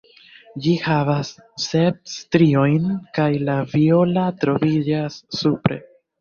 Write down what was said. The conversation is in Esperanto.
Ĝi havas sep striojn kaj la viola troviĝas supre.